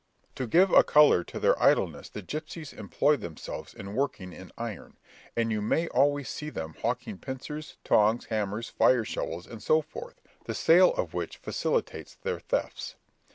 To give a colour to their idleness the gipsies employ themselves in working in iron, and you may always see them hawking pincers, tongs, hammers, fire shovels, and so forth, the sale of which facilitates their thefts.